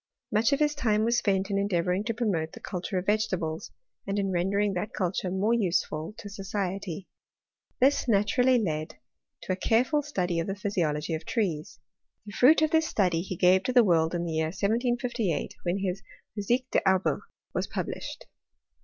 Much of his time was sfient in endeavouring to promote the culture of vegetables, and in rendering that culture more useful to society. This naturally led to a careful study of the physiology of trees. The fruit of this study he gave to the world in the year 1758, when his Physique des Arbres was published.